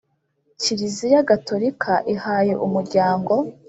Kiliziya Gatolika ihaye Umuryango